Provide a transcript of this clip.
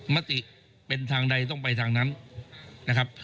มติเป็นทางใดต้องไปทางนั้นนะครับ